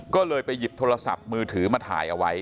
ก็เลยไปหยิบโทรศัพท์มือถือมาถ่ายเอาไว้